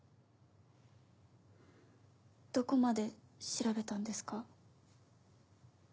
どこまで調べたんですか？